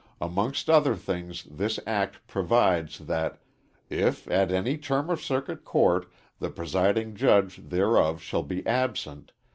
Amongst other things this act provides that "if, at any term of circuit court, the presiding judge thereof shall be absent